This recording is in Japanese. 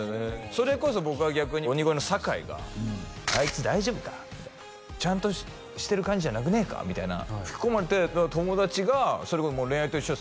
それこそ僕が逆に鬼越の坂井が「あいつ大丈夫か？」みたいな「ちゃんとしてる感じじゃなくねえか」みたいな吹き込まれて友達がそれこそ恋愛と一緒っすね